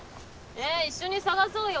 え一緒に探そうよ